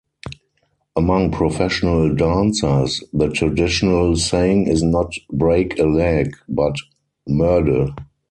Among professional dancers, the traditional saying is not "break a leg," but "merde".